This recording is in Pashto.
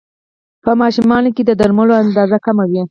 په ماشومانو کې د درملو اندازه کمه وي.